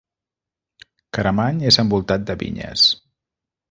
Caramany és envoltat de vinyes.